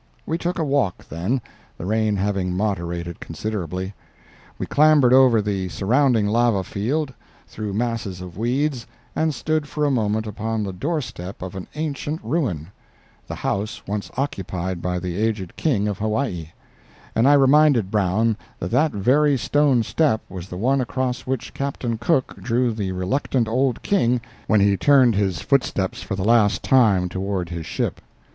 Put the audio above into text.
We took a walk then, the rain having moderated considerably. We clambered over the surrounding lava field, through masses of weeds, and stood for a moment upon the doorstep of an ancient ruin—the house once occupied by the aged King of Hawaii—and I reminded Brown that that very stone step was the one across which Captain Cook drew the reluctant old king when he turned his footsteps for the last time toward his ship.